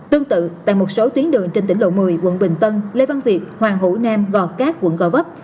tương tự tại một số tuyến đường trên tỉnh lộ một mươi quận bình tân lê văn việt hoàng hữu nam gò cát quận gò vấp